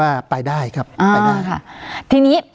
การแสดงความคิดเห็น